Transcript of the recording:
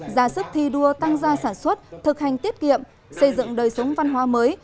ra sức thi đua tăng gia sản xuất thực hành tiết kiệm xây dựng đời sống văn hóa mới